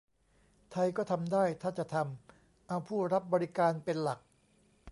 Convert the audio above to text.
ไทยก็ทำได้ ถ้าจะทำ เอาผู้รับบริการเป็นหลัก